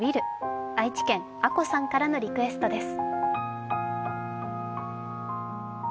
愛知県ａｃｏさんからのリクエストです。